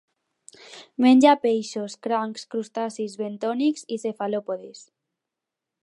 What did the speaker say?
Menja peixos, crancs, crustacis bentònics i cefalòpodes.